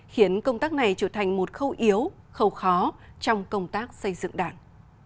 khiến công tác này trở thành một khâu yếu khâu khó trong công tác xây dựng đảng